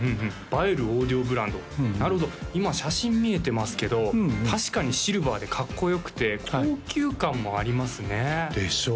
なるほど今写真見えてますけど確かにシルバーでかっこよくて高級感もありますねでしょ